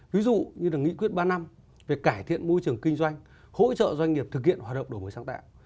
ví dụ như là nghị quyết ba năm về cải thiện môi trường kinh doanh hỗ trợ doanh nghiệp thực hiện hoạt động đổi mới sáng tạo